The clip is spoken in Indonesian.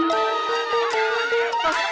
lepasin lepasin lepasin